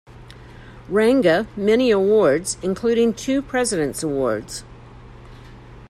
Ranga many awards, including two President's Awards.